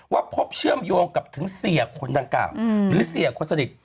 พบเชื่อมโยงกับถึงเสียคนดังกล่าวหรือเสียคนสนิท